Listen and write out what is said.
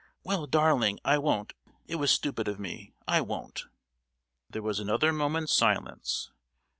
"Well, darling, I won't; it was stupid of me—I won't!" There was another moment's silence.